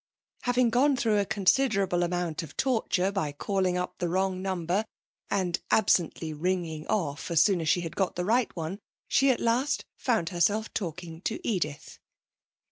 Having gone through a considerable amount of torture by calling up the wrong number and absently ringing off as soon as she had got the right one, she at last found herself talking to Edith.